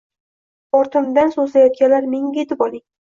ortimdan so‘zlayotganlar menga yetib oling